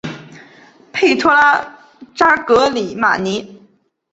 佩托拉扎格里马尼。